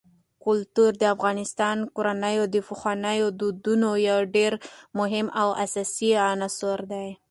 کلتور د افغان کورنیو د پخوانیو دودونو یو ډېر مهم او اساسي عنصر دی.